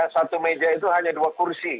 satu meja itu hanya dua kursi